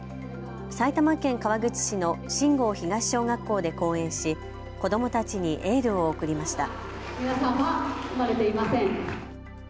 埼玉県川口市の新郷東小学校で講演し子どもたちにエールを送りました。